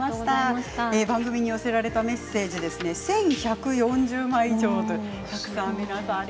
寄せられたメッセージは１１４０枚以上。